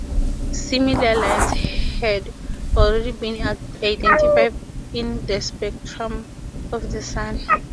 Similar lines had already been identified in the spectrum of the Sun.